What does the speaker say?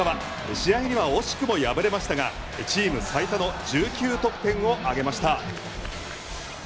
試合には惜しくも敗れましたがチーム最多の１９得点を挙げました。